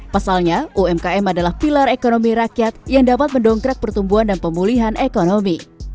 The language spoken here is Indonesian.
pasalnya umkm adalah pilar ekonomi rakyat yang dapat mendongkrak pertumbuhan dan pemulihan ekonomi